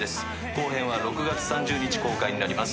後編は６月３０日公開になります。